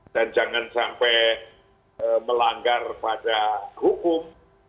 dan jangan sampai melanggar pada hukum